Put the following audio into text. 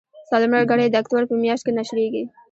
څلورمه ګڼه یې د اکتوبر په میاشت کې نشریږي.